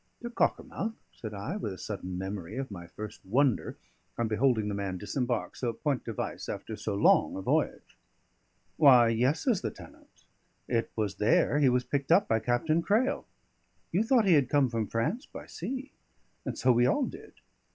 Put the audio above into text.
"To Cockermouth?" said I, with a sudden memory of my first wonder on beholding the man disembark so point de vice after so long a voyage. "Why, yes," says the tenant, "it was there he was picked up by Captain Crail. You thought he had come from France by sea? And so we all did."